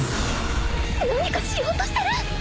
何かしようとしてる！？